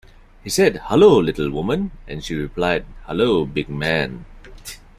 He said "hello little woman", and she replied "hello big man".